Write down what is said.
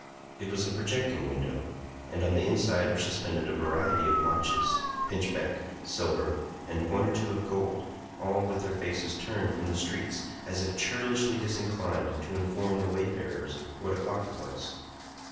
It was a projecting window; and on the inside were suspended a variety of watches, pinchbeck, silver, and one or two of gold, all with their faces turned from the streets, as if churlishly disinclined to inform the wayfarers what o'clock it was.